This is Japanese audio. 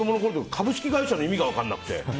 株式会社の意味が分からなくて。